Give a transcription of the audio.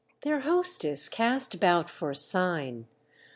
Their hostess cast about for a sign.